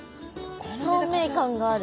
透明感がある。